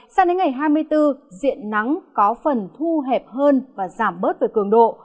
sang đến ngày hai mươi bốn diện nắng có phần thu hẹp hơn và giảm bớt về cường độ